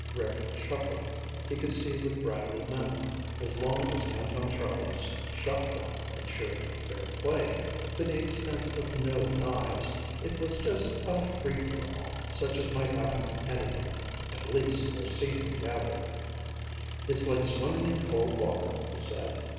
Rick chuckled. He could see what Bradley meant. As long as Canton Charlie's shotgun ensured fair play, to the extent of no knives, it was just a free for all such as might happen anywhere at least where seamen gathered. "It's like swimming in cold water," he said.